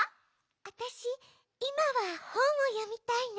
あたしいまはほんをよみたいな。